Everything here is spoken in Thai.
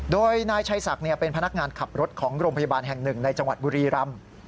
โดยนายชัยศักดิ์เป็นพนักงานขับรถของโรงพยาบาลแห่งหนึ่งในจังหวัดบุรีรำ